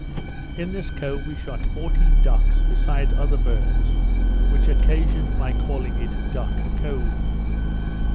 In this cove we shot fourteen ducks, besides other birds, which occasioned my calling it Duck Cove.